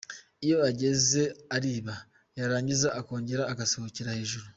Iyo ageze ariba yarangiza akongera agasohokera hejuru.